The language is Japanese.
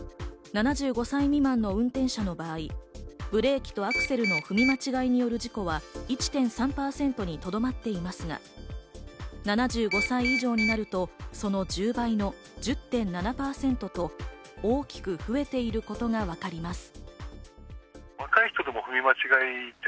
７５歳未満の運転者の場合、ブレーキとアクセルの踏み間違いによる事故は１．３％にとどまっていますが、７５歳以上になると、その１０倍の１０．７％と大きく増えていることがわかります。